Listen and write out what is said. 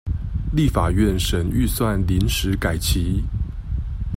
立法院審預算臨時改期